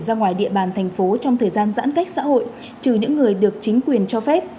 ra ngoài địa bàn thành phố trong thời gian giãn cách xã hội trừ những người được chính quyền cho phép